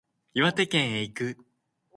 岩手県へ行く